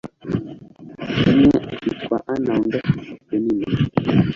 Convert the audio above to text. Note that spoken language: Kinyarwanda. umwe akitwa ana, undi akitwa penina